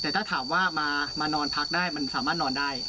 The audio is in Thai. แต่ถ้าถามว่ามานอนพักได้มันสามารถนอนได้